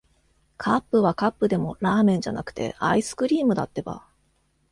カップはカップでも、ラーメンじゃなくて、アイスクリームだってば。